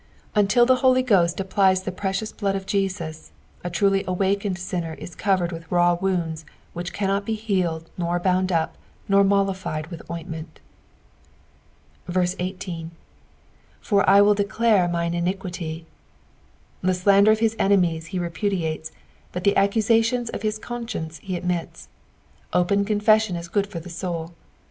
Until the Hoi; Qhost applies the precious blood of Jesus, a truly awakened sinner is coTered with raw wounds which cannot bt) heftled nor bound up, oor mollified with ointment. 18. "For I will declare mine iniquity." The sisnder of his enemies he rapudistes, but the sccusations of his conscience he admits. Open confession is good for the soul.